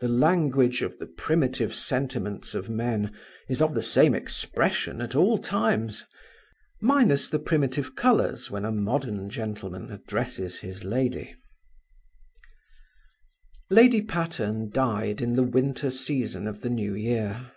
The language of the primitive sentiments of men is of the same expression at all times, minus the primitive colours when a modern gentleman addresses his lady. Lady Patterne died in the winter season of the new year.